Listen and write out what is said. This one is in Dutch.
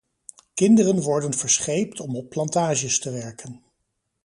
Kinderen worden verscheept om op plantages te werken.